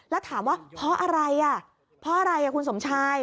แล้วถามว่าเพราะอะไรอ่ะเพราะอะไรคุณสมชาย